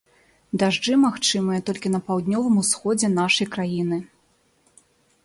Дажджы магчымыя толькі на паўднёвым усходзе нашай краіны.